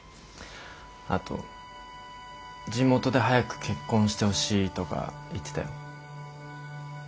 あと地元で早く結婚してほしいとか言ってたよ。